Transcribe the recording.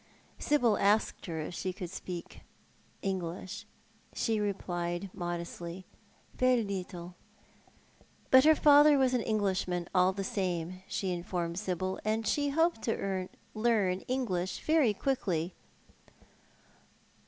Sibyl asked her if she could speak En;j;lisli. She replied modestly, " Ver leet'l," but her father was an Englishman, all the same, she informed Sibyl, and she hoped to learn English very quickly.